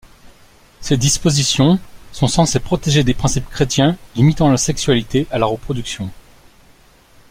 Ces dispositions sont censées protéger des principes chrétiens limitant la sexualité à la reproduction.